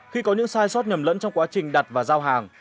khi có những sai sót nhầm lẫn trong quá trình đặt và giao hàng